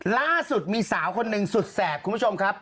ล่าสุดมีสาวคนหนึ่งสุดแสบคุณผู้ชมครับ